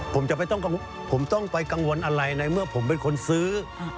ผมต้องไปกังวลอะไรในเมื่อผมเป็นคนซื้อ